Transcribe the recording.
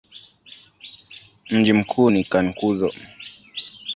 Mji mkuu ni Cankuzo.